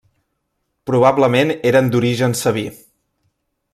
Probablement eren d'origen sabí.